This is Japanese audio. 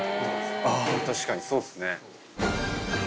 確かにそうですね。